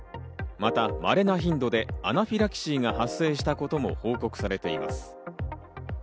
また稀な頻度でアナフィラキシーが発生したことも報告されています。